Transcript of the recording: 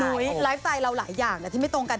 นุ้ยไลฟ์ไทรเราหลายอย่างแต่ที่ไม่ตรงกัน